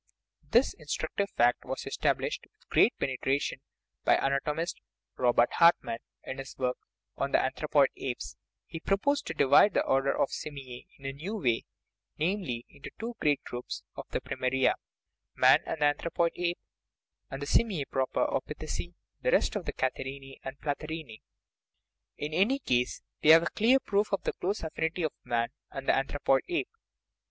This instructive fact was established with great pene tration by the anatomist Robert Hartmann, in his work on The Anthropoid Apes'* he proposed to divide the order of Simiae in a new way namely, into the two great groups of primaria (man and the anthropoid ape) and the simiae proper, or pithed (the rest of the catar rhinse and all the platyrrhinae). In any case, we have a clear proof of the close affinity of man and the anthro poid ape.